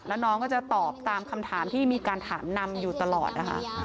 แล้วน้องก็จะตอบตามคำถามที่มีการถามนำอยู่ตลอดนะคะ